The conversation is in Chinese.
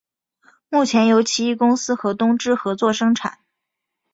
目前由奇异公司和东芝合作生产。